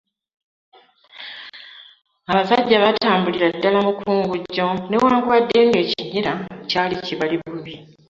Abasajja baatambulira ddala mukungujjo ne wankubadde nga ekinyira kyali kibali bubi